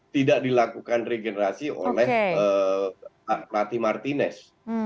tidak dilakukan regenerasi oleh pelatih martinez